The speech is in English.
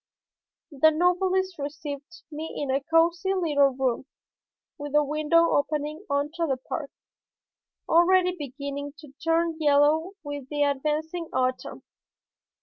The novelist received me in a cosy little room, with a window opening onto the park, already beginning to turn yellow with the advancing autumn.